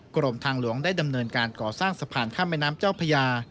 กรมทางหลวงได้ดำเนินการก่อสร้างสะพานข้ามแม่น้ำเจ้าพญา